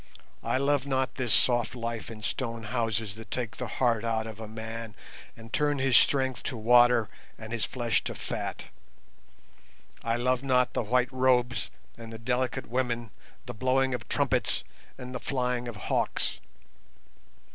I love not this soft life in stone houses that takes the heart out of a man, and turns his strength to water and his flesh to fat. I love not the white robes and the delicate women, the blowing of trumpets and the flying of hawks.